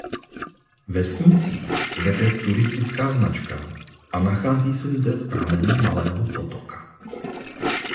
Vesnicí vede turistická značka a nachází se zde pramen malého potoka.